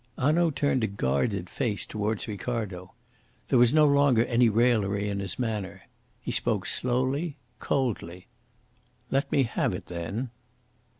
Hanaud turned a guarded face towards Ricardo. There was no longer any raillery in his manner. He spoke slowly, coldly. "Let me have it then!"